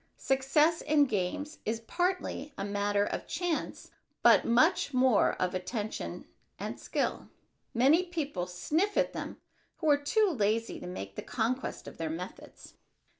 Success in games is partly a matter of chance but much more of attention and skill. Many people sniff at them who are too lazy to make the conquest of their methods.